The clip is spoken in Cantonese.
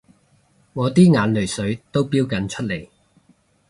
我啲眼淚水都標緊出嚟